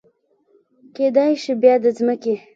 کیدای شي بیا د مځکې